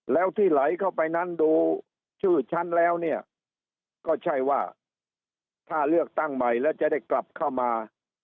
แล้วที่ไหลเข้าไปนั้นดูชื่อฉันแล้วเนี่ยก็ใช่ว่าถ้าเลือกตั้งใหม่แล้วจะได้กลับเข้ามา